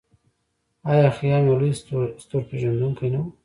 آیا خیام یو لوی ستورپیژندونکی نه و؟